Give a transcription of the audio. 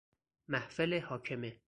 محفل حاکمه